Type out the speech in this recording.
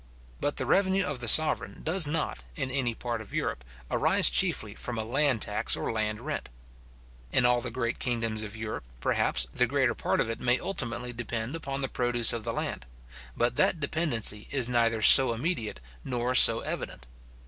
But the revenue of the sovereign does not, in any part of Europe, arise chiefly from a land tax or land rent. In all the great kingdoms of Europe, perhaps, the greater part of it may ultimately depend upon the produce of the land: but that dependency is neither so immediate nor so evident.